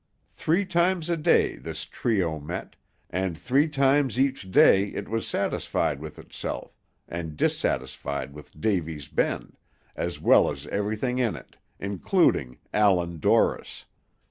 Three times a day this trio met, and three times each day it was satisfied with itself, and dissatisfied with Davy's Bend, as well as everything in it, including Allan Dorris.